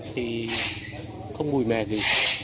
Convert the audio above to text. thì không mùi mè gì